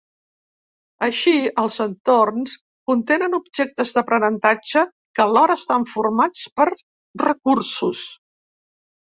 Així, els entorns contenen objectes d'aprenentatge que alhora estan formats per recursos.